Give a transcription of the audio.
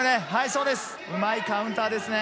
うまいカウンターですね。